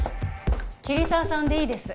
桐沢さんでいいです。